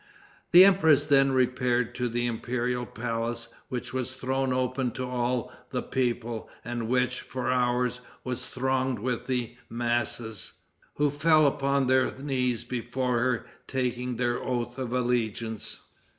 The empress then repaired to the imperial palace, which was thrown open to all the people, and which, for hours, was thronged with the masses, who fell upon their knees before her, taking their oath of allegiance.